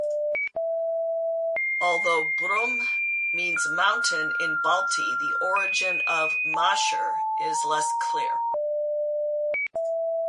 Although "brum" means mountain in Balti, the origin of "masher" is less clear.